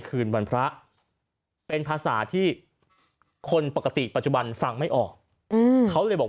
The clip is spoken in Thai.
คืนวันพระเป็นภาษาที่คนปกติปัจจุบันฟังไม่ออกเขาเลยบอก